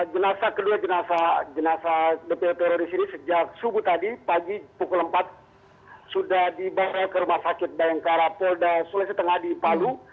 jenazah kedua jenazah dpo teroris ini sejak subuh tadi pagi pukul empat sudah dibawa ke rumah sakit bayangkara polda sulawesi tengah di palu